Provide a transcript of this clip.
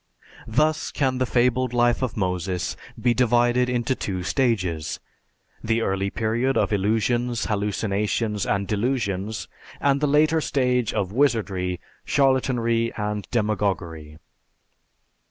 Thus can the fabled life of Moses be divided into two stages, the early period of illusions, hallucinations, and delusions, and the later stage of wizardry, charlatanry, and demagoguery.